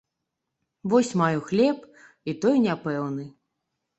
Вось маю хлеб, і той няпэўны.